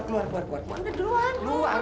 kamu doang kamu doang